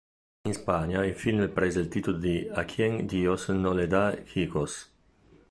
In Spagna, il film prese il titolo "A quien dios no le da hijos".